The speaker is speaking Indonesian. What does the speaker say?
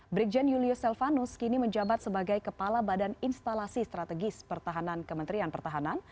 brigjen julius selvanus kini menjabat sebagai kepala badan instalasi strategis pertahanan kementerian pertahanan